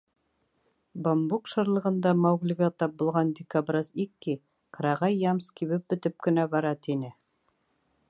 Бамбук шырлығында Мауглиға тап булған дикобраз Икки: «Ҡырағай ямс кибеп бөтөп кенә бара», — тине.